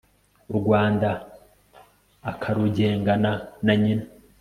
u rwanda akarugengana na nyina